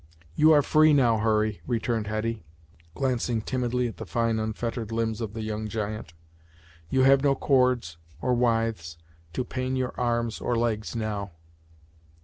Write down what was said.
"You are free now, Hurry," returned Hetty, glancing timidly at the fine unfettered limbs of the young giant "You have no cords, or withes, to pain your arms, or legs, now."